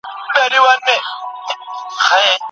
شريعت په ځينو ځايونو کي جماع منع کړې ده.